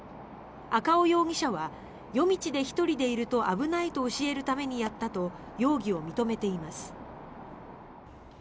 赤尾容疑者は夜道で１人でいると危ないと教えるためにやったと容疑を認めています。